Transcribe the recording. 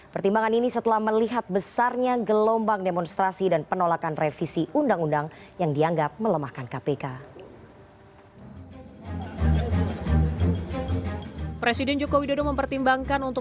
pertimbangan ini setelah melihat besarnya gelombang demonstrasi dan penolakan revisi undang undang yang dianggap melemahkan kpk